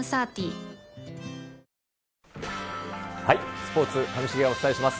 スポーツ、上重がお伝えします。